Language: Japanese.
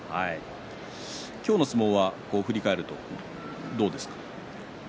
今日の相撲は振り返ると、どうですか？